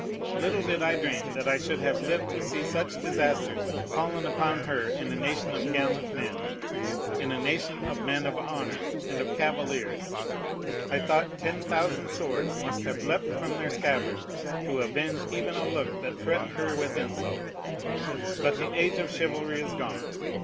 little did I dream that I should have lived to see such disasters fallen upon her in a nation of gallant men, in a nation of men of honor, and of cavaliers! I thought ten thousand swords must have leaped from their scabbards to avenge even a look that threatened her with insult. But the age of chivalry is gone.